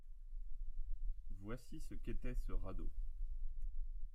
Voici ce qu’était ce radeau.